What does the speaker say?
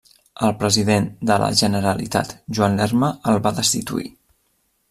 El president de la Generalitat, Joan Lerma, el va destituir.